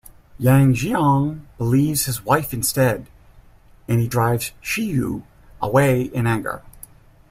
Yang Xiong believes his wife instead and he drives Shi Xiu away in anger.